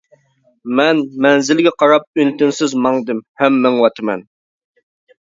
مەن مەنزىلگە قاراپ ئۈن-تىنسىز ماڭدىم ھەم مېڭىۋاتىمەن.